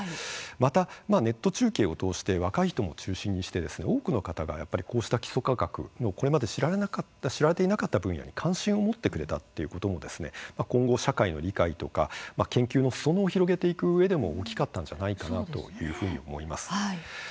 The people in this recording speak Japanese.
また、ネット中継を通して若い人を中心にしてですね多くの方がやっぱりこうした基礎科学のこれまで知らなかった知られていなかった分野に関心を持ってくれたっていうこともですね、今後社会の理解とか、研究のすそ野を広げていくうえでも大きかったんじゃないかなというふうに思います。